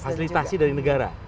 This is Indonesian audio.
fasilitasi dari negara